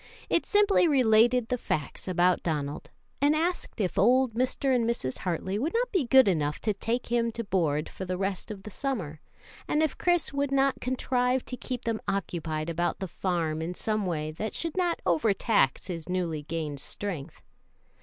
It simply related the facts about Donald, and asked if old Mr. and Mrs. Hartley would not be good enough to take him to board for the rest of the summer, and if Chris would not contrive to keep him occupied about the farm in some way that should not overtax his newly gained strength.